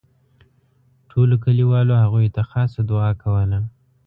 ټولو کلیوالو هغوی ته خاصه دوعا کوله.